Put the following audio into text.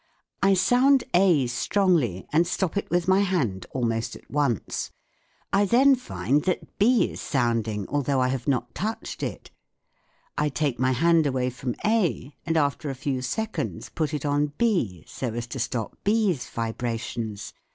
I sound A strongly, and stop it with my hand almost at once ; I then find that B is sounding, although I have not 1 68 THE WORLD OF SOUND touched it . I take my hand away from A and after a few seconds put it on B so as to stop B's vibrations.